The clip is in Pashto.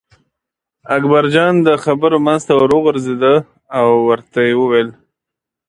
اکبرجان د خبرو منځ ته ور وغورځېد او ورته یې وویل.